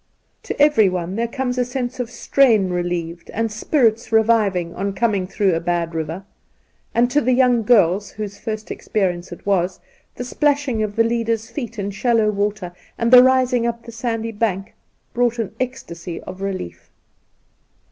To everyone there comes a sense of strain re lieved and spirits reviving on coming through a bad river, and to the young girls, whose first experience it was, the splashing of the leaders' feet in shallow water, and the rising up the sandy bank, brought an ecstasy of relief.